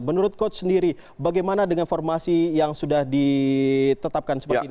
menurut coach sendiri bagaimana dengan formasi yang sudah ditetapkan seperti ini